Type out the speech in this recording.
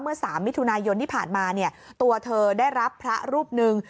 เมื่อ๓มิถุนายนที่ผ่านมาตัวเธอได้รับพระรูปหนึ่ง